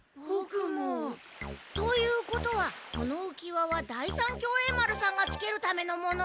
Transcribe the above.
ということはこのうきわは第三協栄丸さんがつけるためのもの？